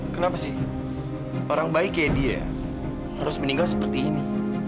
kenapa sih orang baik kayak dia harus meninggal seperti ini